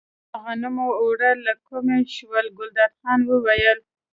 د غنمو اوړه له کومه شول، ګلداد خان وویل.